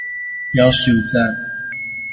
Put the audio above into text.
妖受讚